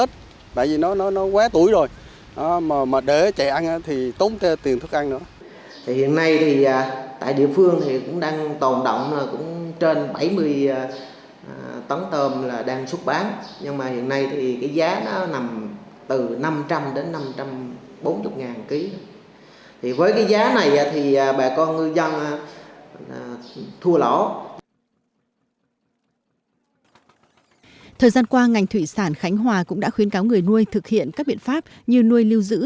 thời gian qua ngành thủy sản khánh hòa cũng đã khuyến cáo người nuôi thực hiện các biện pháp như nuôi lưu giữ